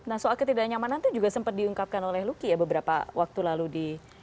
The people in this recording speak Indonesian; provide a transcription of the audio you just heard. nah soal ketidaknyamanan itu juga sempat diungkapkan oleh luki ya beberapa waktu lalu di